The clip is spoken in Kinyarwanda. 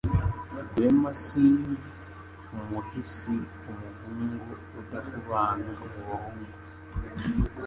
Rwema si ndi umuhisi Umuhungu udakubana mu bahunga